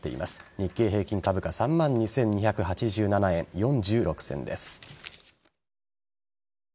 日経平均株価３万２２８７円４６銭です。